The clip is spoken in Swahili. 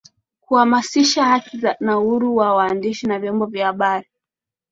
kuhamasisha haki na uhuru wa waandishi na vyombo vya habari